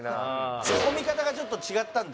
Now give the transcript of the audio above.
ツッコみ方がちょっと違ったんだ。